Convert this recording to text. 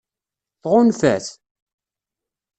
Tɣunfa-t?